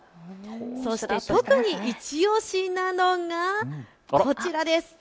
そして特にいちオシなのが、こちらです。